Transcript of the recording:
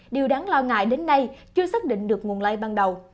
điều đáng lo ngại đến nay chưa xác định được nguồn lây ban đầu